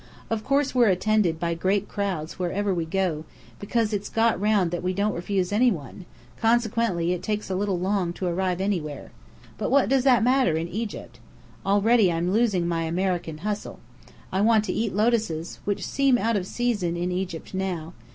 Of course we're attended by great crowds whereever we go, because it's got round that we don't refuse any one, consequently it takes a little long to arrive anywhere. But what does that matter in Egypt? Already I'm losing my American hustle. I want to eat lotuses, which seem out of season in Egypt now!